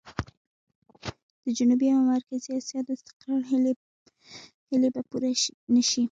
د جنوبي او مرکزي اسيا د استقرار هيلې به پوره نه شي.